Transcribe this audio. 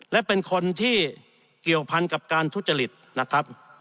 และเป็นคนที่เกี่ยวพันกับการทุจริตนะครับ